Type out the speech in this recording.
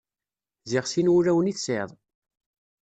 Ziɣ sin wulawen i tesɛiḍ.